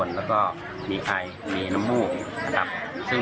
เรียนอยู่ป่าวไหน